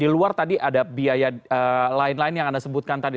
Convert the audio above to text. di luar tadi ada biaya lain lain yang anda sebutkan tadi